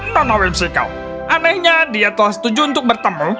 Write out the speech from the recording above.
nona wimsiko anehnya dia telah setuju untuk bertemu